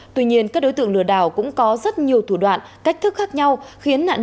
tuy nhiên các đối tượng lừa đảo cũng có rất nhiều thủ đoạn cách thức khác nhau khiến nạn nhân